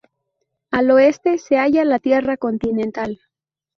Al oeste se halla la tierra continental.